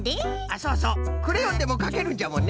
そうそうクレヨンでもかけるんじゃもんね。